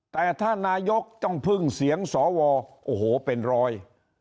แต่ถ้านายกต้องพึ่งเสียงสวโอ้โหเป็นร้อย